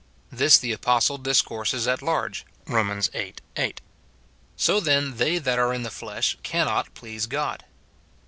This the apostle discourses at large, Rom. viii. 8, "So then they that are in the flesh cannot please God."